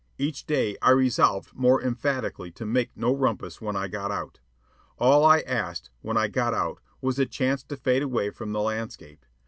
Each day I resolved more emphatically to make no rumpus when I got out. All I asked, when I got out, was a chance to fade away from the landscape.